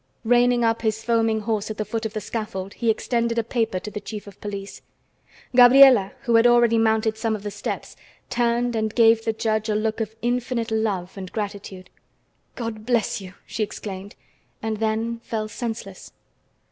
Reining up his foaming horse at the foot of the scaffold, he extended a paper to the chief of police. Gabriela, who had already mounted some of the steps, turned and gave the judge a look of infinite love and gratitude. "God bless you!" she exclaimed, and then fell senseless.